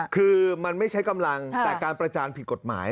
คือมันไม่ใช้กำลังแต่การประจานผิดกฎหมาย